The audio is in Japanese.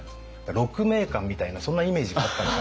鹿鳴館みたいなそんなイメージがあったのか。